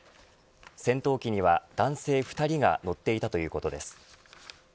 戦闘機には男性２人が乗っていたということです。